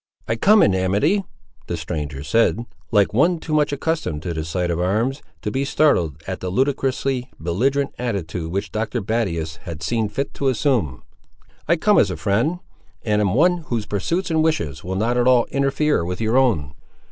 "I come in amity," the stranger said, like one too much accustomed to the sight of arms to be startled at the ludicrously belligerent attitude which Dr. Battius had seen fit to assume. "I come as a friend; and am one whose pursuits and wishes will not at all interfere with your own."